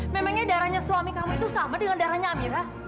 memangnya darahnya suami kamu itu sama dengan darahnya amira